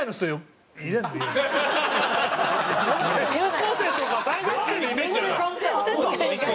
高校生とか大学生のイメージだから。